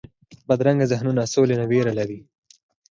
بدرنګه ذهنونونه سولې نه ویره لري